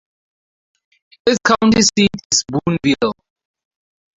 Its county seat is Boonville.